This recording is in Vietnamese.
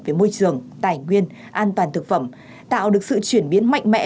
về môi trường tài nguyên an toàn thực phẩm tạo được sự chuyển biến mạnh mẽ